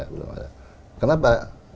belum ada kenapa